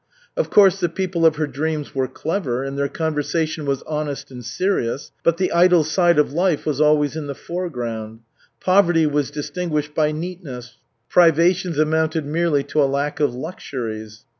Of course, the people of her dreams were clever, and their conversation was honest and serious, but the idle side of life was always in the foreground. Poverty was distinguished by neatness, privations amounted merely to a lack of luxuries.